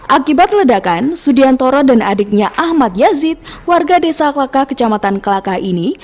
akibat ledakan sudiantoro dan adiknya ahmad yazid warga desa kelakah kecamatan kelakah ini